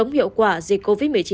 hiệu quả dịch covid một mươi chín